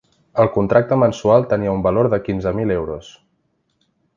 El contracte mensual tenia un valor de quinze mil euros.